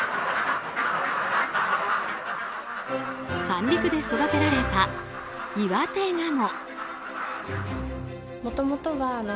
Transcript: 三陸で育てられた岩手ガモ。